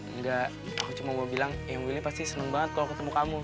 enggak aku cuma mau bilang yang willy pasti senang banget kalau ketemu kamu